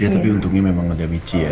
ya tapi untungnya memang ada biji ya